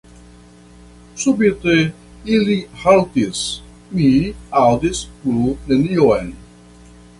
Subite, ili haltis, mi aŭdis plu nenion.